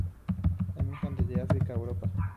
Emigran desde África a Europa.